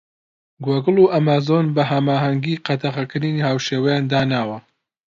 گۆگڵ و ئەمازۆن بە هەماهەنگی قەدەغەکردنی هاوشێوەیان داناوە.